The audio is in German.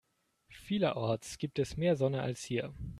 Vielerorts gibt es mehr Sonne als hier.